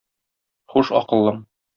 Хуш, акыллым!